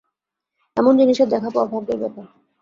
এমন জিনিসের দেখা পাওয়া ভাগ্যের ব্যাপার।